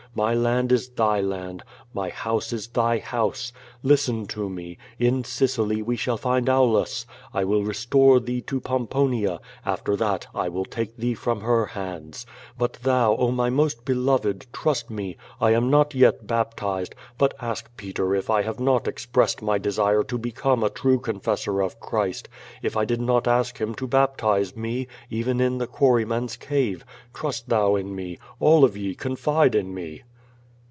My land is thy land, my house is thy house. Listen to me. In Sicily we shall find Aulus. I will restore thee to Pomponia, after that I will take thee from her hands. But thou, oh, my most beloved, trust me! I am not yet baptized, but ask Peter if I have not expressed my desire to become a true confessor of Christ, if I did not ask him to baptize me, even in the quarryman's cave. Trust thou in me. All of ye confide in me.